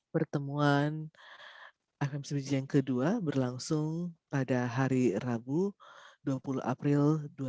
pertemuan akan swiji yang kedua berlangsung pada hari rabu dua puluh april dua ribu dua puluh